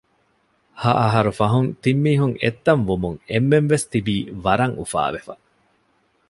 ހައަހަރު ފަހުން ތިންމީހުން އެއްތަން ވުމުން އެންމެންވެސް ތިބީ ވަރަށް އުފާވެފަ